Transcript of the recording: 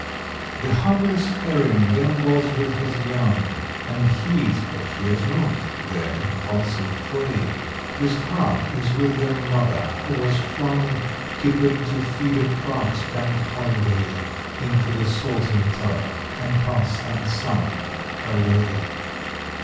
= The harmless Herring gambols with his young, And heeds but hears not their impulsive play. (His heart is with their mother who was flung, Kippered to feed a clerk's bank holiday, Into the salting tub and passed unsung Away.)